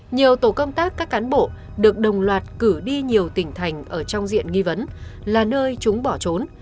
nhiều tổ công tác các cán bộ được đồng loạt cử đi nhiều tỉnh thành ở trong diện nghi vấn là nơi chúng bỏ trốn